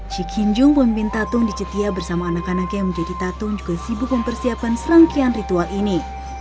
cik hin jung pemimpin tatung di cetia bersama anak anaknya yang menjadi tatung juga sibuk mempersiapkan serangkian ritual ini